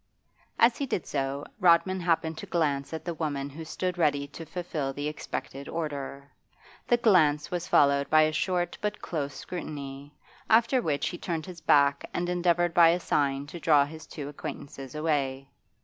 As he did so Rodman happened to glance at the woman who stood ready to fulfil the expected order. The glance was followed by a short but close scrutiny, after which he turned his back and endeavoured by a sign to draw his two acquaintances away.